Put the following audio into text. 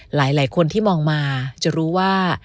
หลายคนที่มองมาจะรู้ว่า